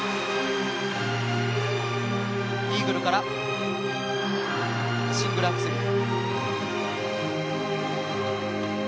イーグルからシングルアクセル。